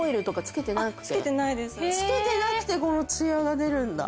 つけてなくてこのツヤが出るんだ。